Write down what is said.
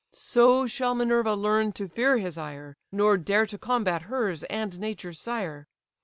So shall Minerva learn to fear his ire, Nor dare to combat hers and nature's sire.